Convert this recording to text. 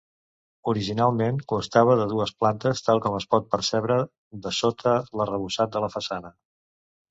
Originalment constava de dues plantes tal com es pot percebre dessota l'arrebossat de la façana.